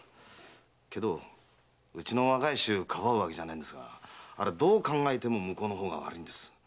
けどうちの若い衆かばうわけじゃないんですがありゃどう考えても向こうの方が悪いんです。